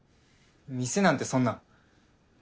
店なんてそんな。